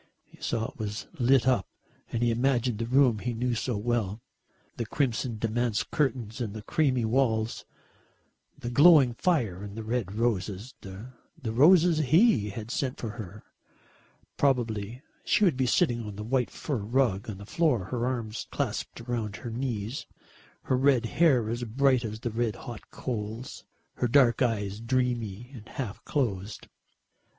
He saw it was lit up and he imagined the room he knew so well. The crimson damask curtains and the creamy walls, the glowing fire and the red roses, the roses he had sent for her. Probably she would be sitting on that white fur rug on the floor, her arms clasped round her knees, her red hair as bright as the red hot coals, her dark eyes dreamy and half closed.